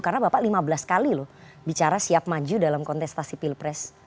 karena bapak lima belas kali loh bicara siap maju dalam kontestasi pilpres